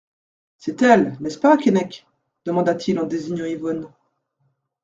C'est-elle, n'est-ce pas, Keinec ? demanda-t-il en désignant Yvonne.